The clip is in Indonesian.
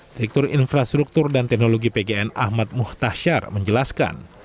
direktur infrastruktur dan teknologi pgn ahmad muhtasyar menjelaskan